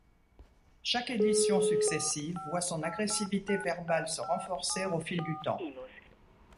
Chaque édition successive voit son agressivité verbale se renforcer au fil du temps.